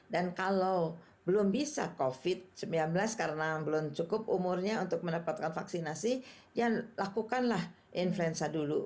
dan kalau belum bisa covid sembilan belas karena belum cukup umurnya untuk mendapatkan vaksinasi lakukanlah influenza dulu